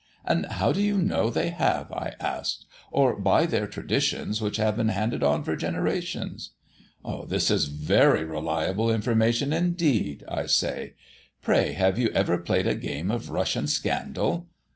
'And how do you know they have?' I ask. 'Oh, by their traditions, which have been handed on for generations.' 'That is very reliable information indeed,' I say. 'Pray, have you ever played a game of Russian scandal?'